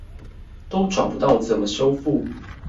都找不到怎麼修復